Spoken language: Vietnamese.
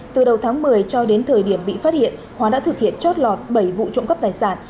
từ đầu tháng một mươi cho đến thời điểm bị phát hiện hóa đã thực hiện chót lọt bảy vụ trộm cắp tài sản